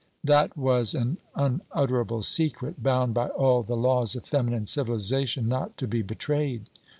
That was an unutterable secret, bound by all the laws of feminine civilization not to be betrayed.